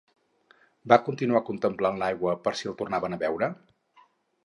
Van continuar contemplant l'aigua per si el tornaven a veure?